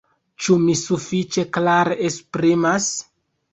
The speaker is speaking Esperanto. Ĉu mi sufiĉe klare esprimas?